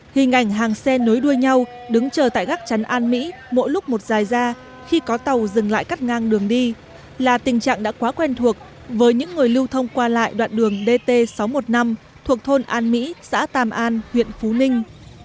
hình ảnh hàng xe nối đuôi nhau đứng chờ tại gác chắn an mỹ mỗi lúc một dài ra khi có tàu dừng lại cắt ngang đường đi là tình trạng đã quá quen thuộc với những người lưu thông qua lại đoạn đường dt sáu trăm một mươi năm thuộc thôn an mỹ xã tàm an huyện phú ninh